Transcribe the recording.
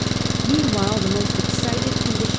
Meanwhile the most excited condition of VOL.